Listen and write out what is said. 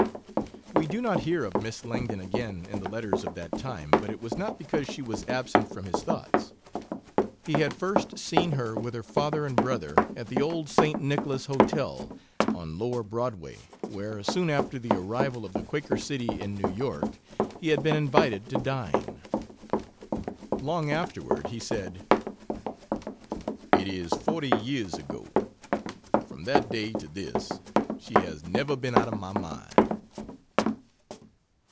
We do not hear of Miss Langdon again in the letters of that time, but it was not because she was absent from his thoughts. He had first seen her with her father and brother at the old St. Nicholas Hotel, on lower Broadway, where, soon after the arrival of the Quaker City in New York, he had been invited to dine. Long afterward he said: "It is forty years ago; from that day to this she has never been out of my mind."